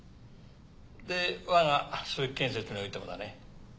で我が鈴木建設においてもだね